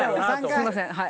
すいませんはい。